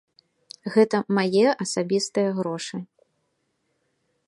Гэта мае асабістыя грошы.